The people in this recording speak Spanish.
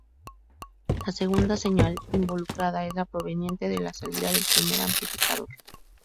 La segunda señal involucrada es la proveniente de la salida del primer amplificador.